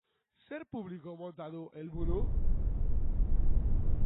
Zer publiko mota du helburu?